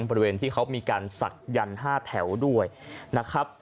บริเวณที่เขามีการศักดิ์๕แถวด้วยนะครับ